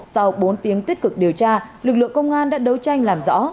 sau bốn tiếng tích cực điều tra lực lượng công an đã đấu tranh làm rõ